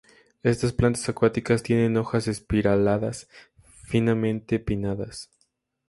Estas plantas acuáticas tienen hojas espiraladas, finamente pinnadas.